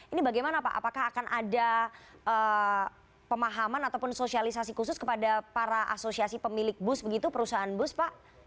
ini bagaimana pak apakah akan ada pemahaman ataupun sosialisasi khusus kepada para asosiasi pemilik bus begitu perusahaan bus pak